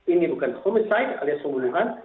ini bukan homiside alias pembunuhan